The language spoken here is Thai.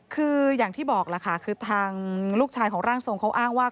คืออย่างที่บอกล่ะค่ะคือทางลูกชายของร่างทรงเขาอ้างว่า